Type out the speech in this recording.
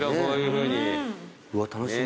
うわ楽しみ。